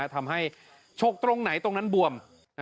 ทำให้โฉกตรงไหนตรงนั้นบวม